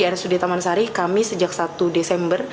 rsud taman sari kami sejak satu desember